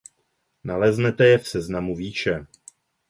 Naleznete je v seznamu výše.